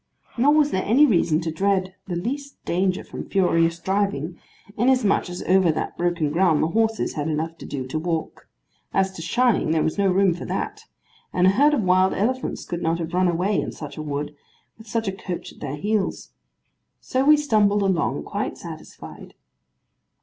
Nor was there any reason to dread the least danger from furious driving, inasmuch as over that broken ground the horses had enough to do to walk; as to shying, there was no room for that; and a herd of wild elephants could not have run away in such a wood, with such a coach at their heels. So we stumbled along, quite satisfied.